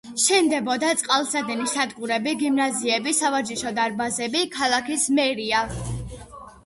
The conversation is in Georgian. შენდებოდა წყალსადენი სადგურები, გიმნაზიები, სავარჯიშო დარბაზები, ქალაქის მერია.